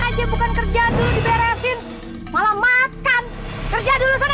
aja bukan kerja dulu diberesin malah makan kerja dulu sorr